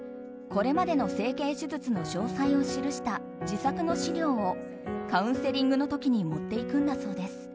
これまでの整形手術の詳細を記した自作の資料をカウンセリングの時に持っていくんだそうです。